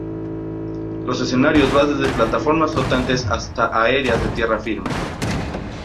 Los escenarios van desde plataformas flotantes hasta áreas de tierra firme.